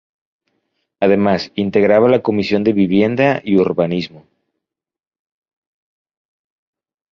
Además, integraba la Comisión de Vivienda y Urbanismo.